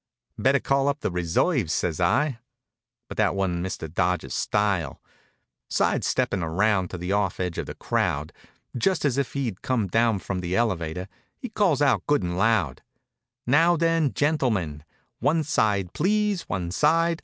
"Better call up the reserves," says I. But that wa'n't Mr. Dodge's style. Side steppin' around to the off edge of the crowd, just as if he'd come down from the elevator, he calls out good and loud: "Now then, gentlemen; one side, please, one side!